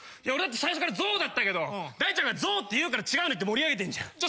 俺だって最初からゾウだったけど大ちゃんがゾウって言うから違うねって盛り上げてんじゃん。